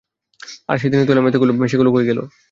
আরে সেদিনই তো দিলাম এতোগুলো, সেগুলো কই গেলো?